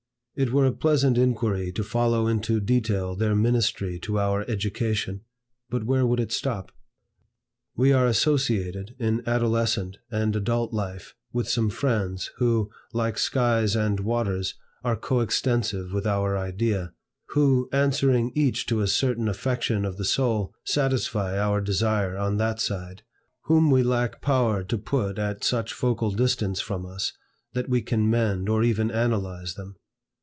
It were a pleasant inquiry to follow into detail their ministry to our education, but where would it stop? We are associated in adolescent and adult life with some friends, who, like skies and waters, are coextensive with our idea; who, answering each to a certain affection of the soul, satisfy our desire on that side; whom we lack power to put at such focal distance from us, that we can mend or even analyze them.